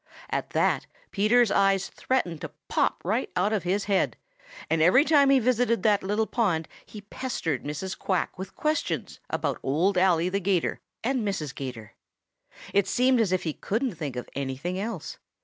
At that Peter's eyes threatened to pop right out of his head and every time he visited that little pond he pestered Mrs. Quack with questions about Old Ally the 'Gator and Mrs. 'Gator. It seemed as if he couldn't think of anything else.